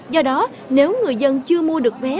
do đó nếu người dân chưa mua được vé